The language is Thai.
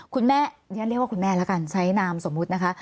คุณแม่ฉันเรียกว่าคุณแม่แล้วกันใช้นามสมมุตินะคะ